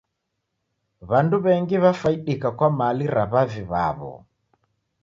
W'andu w'engi w'afaidika kwa mali ra w'avi w'aw'o.